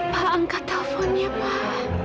pak angkat teleponnya pak